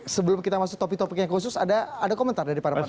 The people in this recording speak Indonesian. sebelum kita masuk topik topik yang khusus ada komentar dari para masyarakat